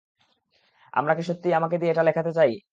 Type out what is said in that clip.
আমরা কি সত্যিই আমাকে দিয়ে এটা লেখাতে চাই?